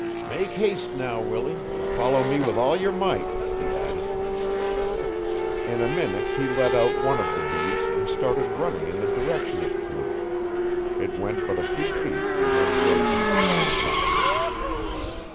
'Make haste now, Willie, and follow me with all yer might,' he added. In a minute he let out one of the bees, and started running in the direction it flew. It went but a few feet and then rose into the tree top.